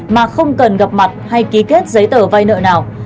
mà không cần gặp mặt hay ký kết giấy tờ vay nợ nào